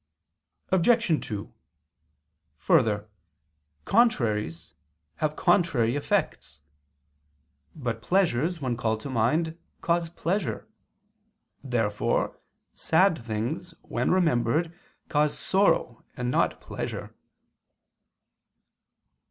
Obj. 2: Further, contraries have contrary effects. But pleasures, when called to mind, cause pleasure. Therefore sad things, when remembered, cause sorrow and not pleasure.